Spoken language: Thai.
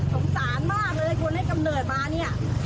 สงสารมากเลยคนได้กำเนิดมาเนี่ย